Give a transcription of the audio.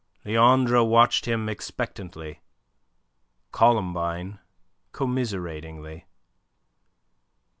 Leandre watched him expectantly, Columbine commiseratingly.